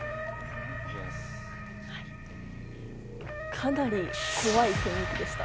かなり怖い雰囲気でした。